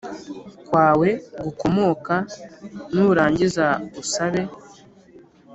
kwawe gukomoka nurangiza usabe